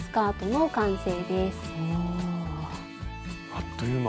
あっという間。